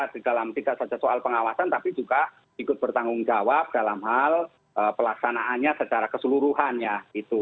di dalam tidak saja soal pengawasan tapi juga ikut bertanggung jawab dalam hal pelaksanaannya secara keseluruhannya gitu